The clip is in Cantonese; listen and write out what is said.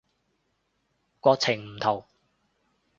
國情唔同